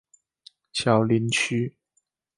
小林旭。